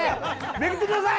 めくってください！